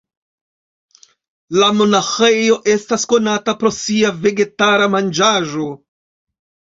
La monaĥejo estas konata pro sia vegetara manĝaĵo.